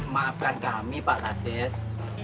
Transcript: maafkan kami pak latis